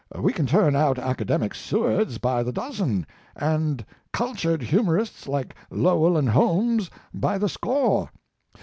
We can turn out academic Sewards by the dozen, and cultured humorists like Lowell and Holmes by the score.